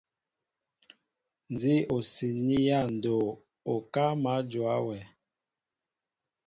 Nzi o siini ya ndoo, okáá ma njóa wɛ.